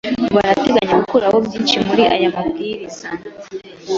Barateganya gukuraho byinshi muri aya mabwiriza.